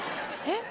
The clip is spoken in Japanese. えっ？